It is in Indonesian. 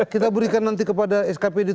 kita berikan nanti kepada skpd